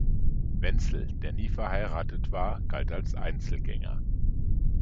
Wenzel, der nie verheiratet war, galt als Einzelgänger.